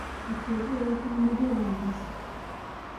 Ekisibo kibeera kya ndiga oba mbuzi?